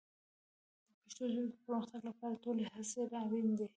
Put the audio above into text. د پښتو ژبې د پرمختګ لپاره ټولې هڅې اړین دي.